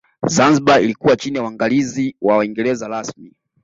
Zanzibar ilikuwa chini ya uangalizi wa Waingereza rasmi